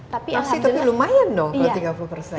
tapi lumayan dong kalau tiga puluh persen